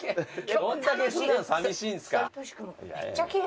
どんだけ普段さみしいんすか。